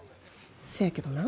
せやけどな